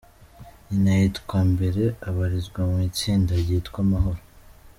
Nyina yitwa Mbere, abarizwa mu itsinda ryitwa Amahoro.